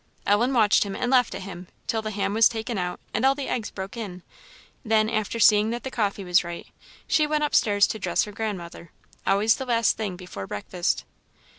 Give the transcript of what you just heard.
Ellen watched him, and laughed at him, till the ham was taken out and all the eggs broke in; then, after seeing that the coffee was right, she went upstairs to dress her grandmother always the last thing before breakfast.